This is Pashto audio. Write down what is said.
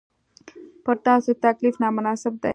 پر تاسو تکلیف نامناسب دی.